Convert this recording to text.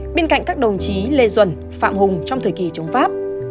bên cạnh các đồng chí lê duẩn phạm hùng trong thời kỳ chống pháp